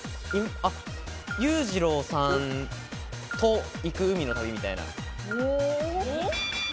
裕次郎さんと行く海の旅みたいな。